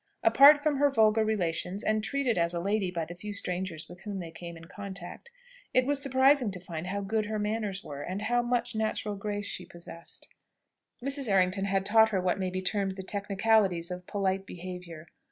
Apart from her vulgar relations, and treated as a lady by the few strangers with whom they came in contact, it was surprising to find how good her manners were, and how much natural grace she possessed. Mrs. Errington had taught her what may be termed the technicalities of polite behaviour.